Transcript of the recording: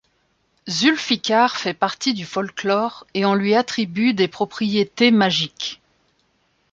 Zulficar fait partie du folklore et on lui attribue des propriétés magiques.